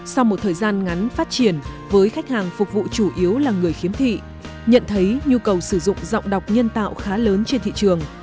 sau một thời gian ngắn phát triển với khách hàng phục vụ chủ yếu là người khiếm thị nhận thấy nhu cầu sử dụng giọng đọc nhân tạo khá lớn trên thị trường